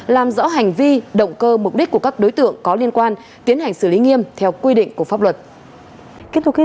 làm rõ hành vi động cơ mục đích của các đối tượng có liên quan tiến hành xử lý nghiêm theo quy định của pháp luật